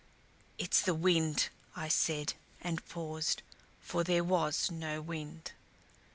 "It's the wind," I said, and paused for there was no wind.